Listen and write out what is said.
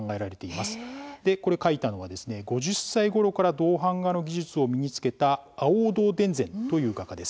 でこれ描いたのはですね５０歳ごろから銅版画の技術を身につけた亜欧堂田善という画家です。